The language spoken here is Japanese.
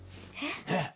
えっ！